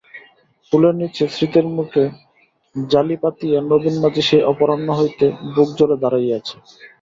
পুলের নিচে স্রোতের মুখে জালি পাতিয়া নবীন মাঝি সেই অপরাহ্ল হইতে বুকজলে দাড়াইয়া আছে।